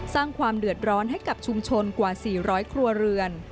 สร้างความเดือดร้อนให้กับชุมชนกว่า๔๐๐ครัวเรือน